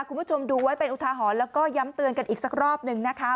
คุณผู้ชมดูไว้เป็นอุทาหรณ์แล้วก็ย้ำเตือนกันอีกสักรอบหนึ่งนะคะ